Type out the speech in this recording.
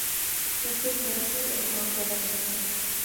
وہ صرف نظری ابہام پیدا کرتے ہیں۔